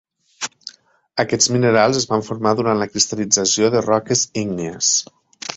Aquests minerals es van formar durant la cristalització de roques ígnies.